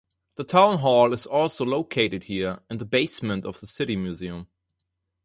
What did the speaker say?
The town hall is also located here, in the basement of the city museum.